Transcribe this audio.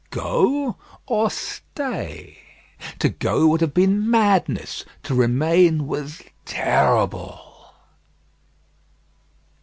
"Go or stay." To go would have been madness; to remain was terrible.